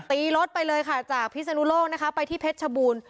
ตีรถไปเลยค่ะจากพิสนุโลกไปที่เพชรชบูล